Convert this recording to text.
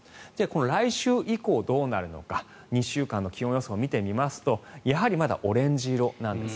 来週以降、どうなるのか２週間の気温予想を見てみますとやはりまだオレンジ色なんです。